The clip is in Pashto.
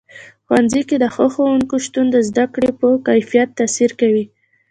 ښوونځي کې د ښه ښوونکو شتون د زده کړې په کیفیت تاثیر کوي.